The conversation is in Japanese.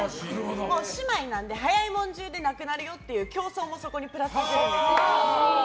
姉妹なので早いもの順でなくなるよって競争もそこにプラスさせるんです。